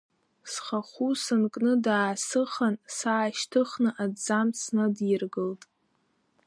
Схахәы санкны даасыхан, саашьҭыхны аҭӡамц снадиргылт.